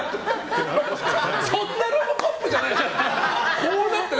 そんなロボコップじゃないでしょ。